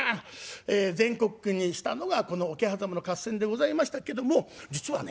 全国区にしたのがこの桶狭間の合戦でございましたけども実はね